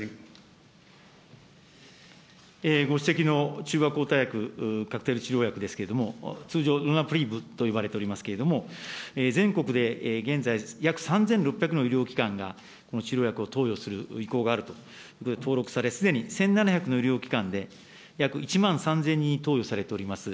ご指摘の中和抗体薬、カクテル治療薬ですけれども、通常ロナプリーブといわれておりますけれども、全国で現在、約３６００の医療機関が、この治療薬を投与する意向があると、登録され、すでに１７００の医療機関で約１万３０００人に投与されております。